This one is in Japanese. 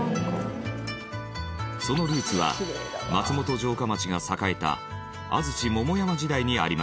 そのルーツは松本城下町が栄えた安土桃山時代にありました。